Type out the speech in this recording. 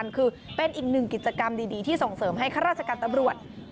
มันก็คือเป็นอีก๑กิจกรรมดีที่ส่งเสริมให้กรรภาษาการตำรวจ